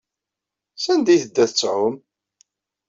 Sanda ay tedda ad tɛum?